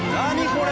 これ。